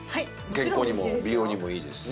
健康にも美容にもいいですしね